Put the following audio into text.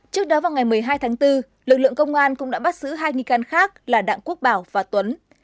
trước đó vào ngày một mươi hai tháng bốn lực lượng công an cũng đã bắt giữ hai nghi can khác là đặng quốc bảo và tuấn